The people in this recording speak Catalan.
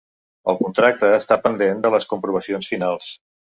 El contracte està pendent de les comprovacions finals.